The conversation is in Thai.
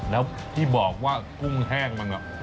แล้วที่บอกว่ากุ้งแห้งมัน